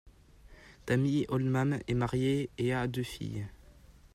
Tami Oldham est mariée et a deux filles.